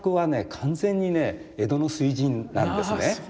完全にね江戸の粋人なんですね。